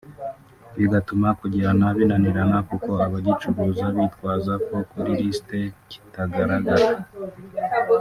bigatuma kugihana binanirana kuko abagicuruza bitwaza ko kuri lisiti kitagaragara